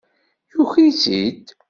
Yuker-itt-id.